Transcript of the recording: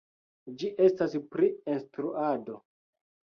Ĝi estas pri instruado.